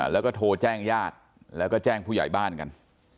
แล้วก็โทรแจ้งญาติแล้วก็แจ้งผู้ใหญ่บ้านกัน